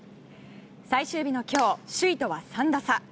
最終日の今日、首位とは３打差。